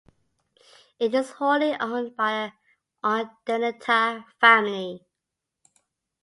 It is wholly owned by the Urdaneta family.